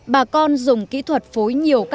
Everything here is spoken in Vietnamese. bà con dùng kỹ thuật phối nhiều các mặt